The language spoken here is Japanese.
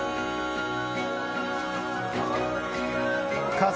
家族。